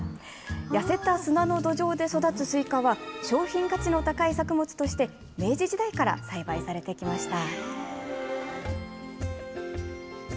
痩せた砂の土壌で育つスイカは、商品価値の高い作物として、明治時代から栽培されてきました。